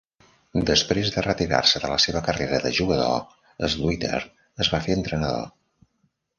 Després de retirar-se de la seva carrera de jugador, Sluiter es va fer entrenador.